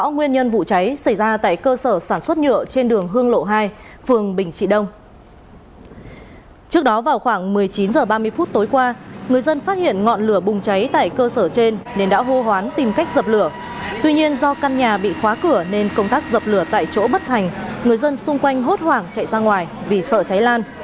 người dân xung quanh hốt hoảng chạy ra ngoài vì sợ cháy lan